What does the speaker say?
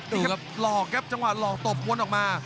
ดูครับหลอกครับจังหวะหลอกตบวนออกมา